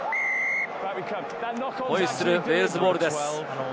ホイッスル、ウェールズボールです。